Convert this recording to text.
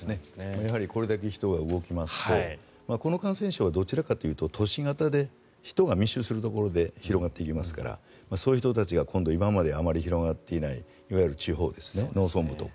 やはりこれだけ人が動きますとこの感染症はどちらかというと都市型で人が密集するところで広がっていきますからそういう人たちが今度今まであまり広がっていないいわゆる地方ですね農村部とか。